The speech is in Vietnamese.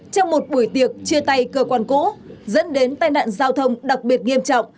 trong một buổi tiệc chia tay cơ quan cũ dẫn đến tai nạn giao thông đặc biệt nghiêm trọng